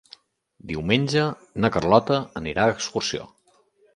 Diumenge na Carlota anirà d'excursió.